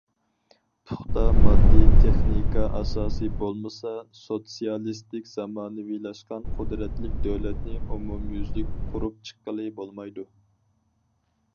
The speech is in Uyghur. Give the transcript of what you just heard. پۇختا ماددىي تېخنىكا ئاساسى بولمىسا، سوتسىيالىستىك زامانىۋىلاشقان قۇدرەتلىك دۆلەتنى ئومۇميۈزلۈك قۇرۇپ چىققىلى بولمايدۇ.